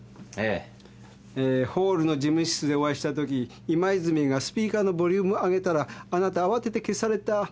えーホールの事務室でお会いしたとき今泉がスピーカーのボリューム上げたらあなた慌てて消された。